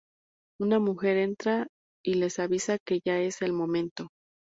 Una mujer entra, y les avisa, que ya es el momento.